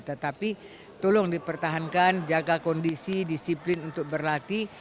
tetapi tolong dipertahankan jaga kondisi disiplin untuk berlatih